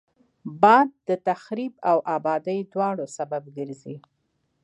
باد د تخریب او آبادي دواړو سبب ګرځي